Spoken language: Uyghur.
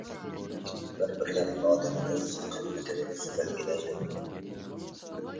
بىر-بىرلەپ. ئادەم ئۆز قىممىتىنى ئۆزى بەلگىلەيدۇ.